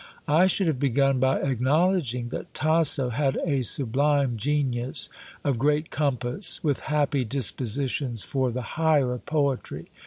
I should have begun by acknowledging that Tasso had a sublime genius, of great compass, with happy dispositions for the higher poetry.